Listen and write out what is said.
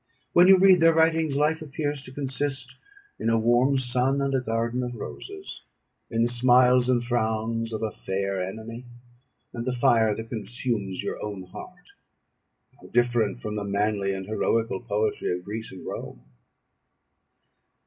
When you read their writings, life appears to consist in a warm sun and a garden of roses, in the smiles and frowns of a fair enemy, and the fire that consumes your own heart. How different from the manly and heroical poetry of Greece and Rome!